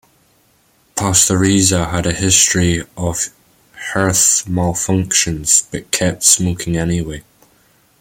Pastoriza had a history of hearth malfunctons, but kept smoking anyway.